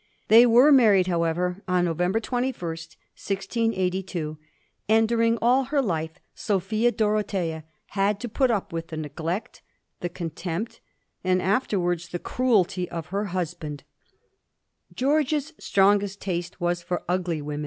They were married, however, on November 21, 1682, and during all her life Sophia Dorothea had to put up with the neglect, the con tempt, and afterwards the cruelty of her husband George's strongest taste was for ugly women.